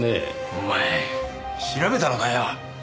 お前調べたのかよ。